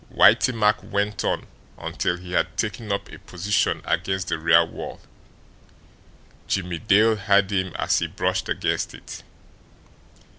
Whitey Mack went on until he had taken up a position against the rear wall. Jimmie Dale heard him as he brushed against it.